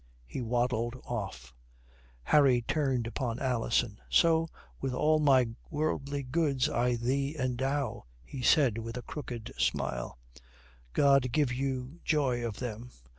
He waddled off. Harry turned upon Alison. "So with all my worldly goods I thee endow," he said, with a crooked smile. "God give you joy of them.